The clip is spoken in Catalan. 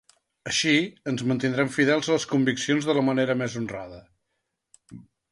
Així, ens mantindrem fidels a les conviccions de la manera més honrada.